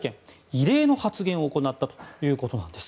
異例の発言を行ったということです。